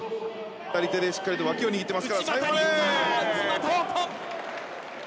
左手でしっかりとわきを握ってます。